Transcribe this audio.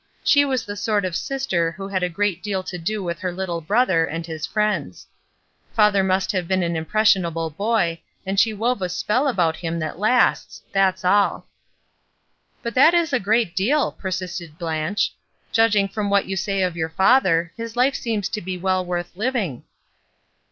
She was the sort of sister who had a great deal to do with her little brother and his friends. Father must have been an impres sionable boy, and she wove a spell about hun that lasts, that's all." But that is a great deal," persisted Blanche. Judging from what you say of your father, his life seems to be well worth living."